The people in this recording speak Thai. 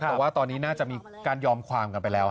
บอกว่าตอนนี้น่าจะมีการยอมความกันไปแล้ว